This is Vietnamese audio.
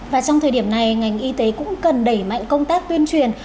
và trong thời điểm này ngành y tế cũng cần đẩy mạnh công tác tuyên truyền